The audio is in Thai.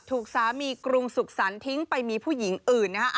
ถูกสามีกรุงสุขสรรคทิ้งไปมีผู้หญิงอื่นนะฮะ